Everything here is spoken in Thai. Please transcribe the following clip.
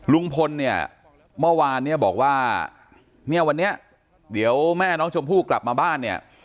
ลุงพลเนี่ยเมื่อวานเนี่ยบอกว่าเนี่ยวันนี้เดี๋ยวแม่น้องชมพู่กลับมาบ้านเนี่ย